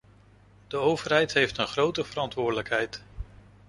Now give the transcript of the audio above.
De overheid heeft een grote verantwoordelijkheid.